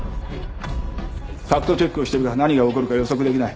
ファクトチェックをしているが何が起こるか予測できない。